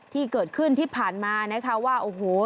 ที่เกิดขึ้นที่ผ่านมานะคะว่าโอ้โห